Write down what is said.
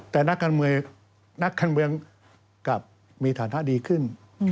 แต่นักการเมืองกลับมีฐานะดีขึ้น